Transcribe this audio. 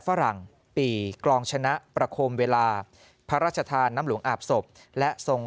ฝรั่งปีกรองชนะประโคมเวลาพระราชทานน้ำหลวงอาบศพและทรง